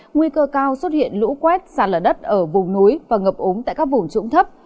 nguy cơ cao xuất hiện lũ quét sạt lở đất ở vùng núi và ngập ống tại các vùng trũng thấp